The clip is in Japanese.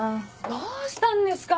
どうしたんですか？